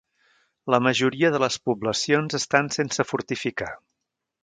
La majoria de les poblacions estan sense fortificar.